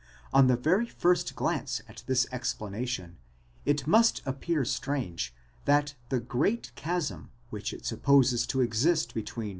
On the very first glance at this ex planation, it must appear strange that the great chasm which it supposes to exist between v.